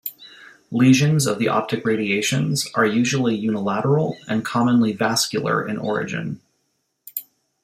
Lesions of the optic radiations are usually unilateral and commonly vascular in origin.